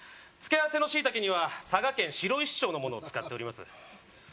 つけあわせのシイタケには佐賀県白石町のものを使っております